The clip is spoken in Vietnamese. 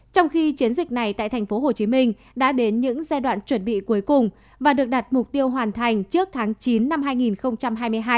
trong khi chiến dịch này tại tp hcm đã đến những giai đoạn chuẩn bị cuối cùng và được đặt mục tiêu hoàn thành trước tháng chín năm hai nghìn hai mươi hai